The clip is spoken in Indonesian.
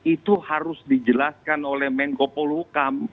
itu harus dijelaskan oleh menko polhukam